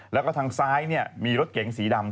แล้วก็ทางซ้ายมีรถเก๋งสีดำ